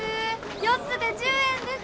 ４つで１０円です。